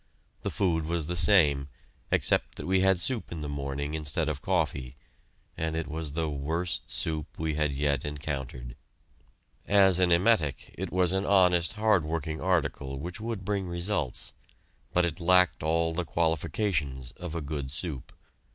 The food was the same, except that we had soup in the morning instead of coffee, and it was the worst soup we had yet encountered. As an emetic, it was an honest, hard working article which would bring results, but it lacked all the qualifications of a good soup.